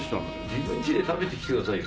自分家で食べてきてくださいよ